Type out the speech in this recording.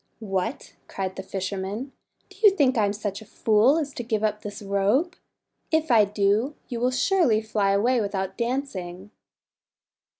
4 What!' cried the fisherman, "do you think I'm such a fool as to give up this robe? If I do, you will surely fly away without dancing."